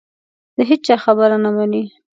د هېچا خبره نه مني